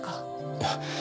いや。